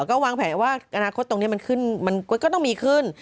ก็วางแผนว่าอนาคตตรงนี้มันขึ้นมันก็ต้องมีขึ้น